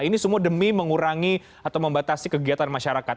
ini semua demi mengurangi atau membatasi kegiatan masyarakat